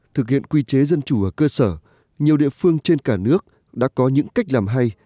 thực hiện quy chế dân chủ ở cơ sở nhiều địa phương trên cả nước đã có những cách làm hay